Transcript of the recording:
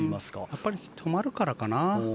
やっぱり止まるからかな。